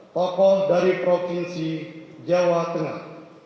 tokoh dari provinsi jawa tengah